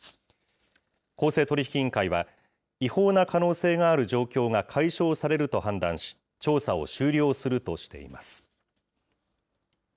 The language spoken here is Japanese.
公正取引委員会は、違法な可能性がある状況が解消されると判断し、調査を終了するとしています。